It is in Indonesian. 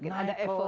nah ada evolusi